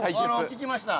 ◆聞きました。